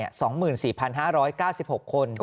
โอ้โห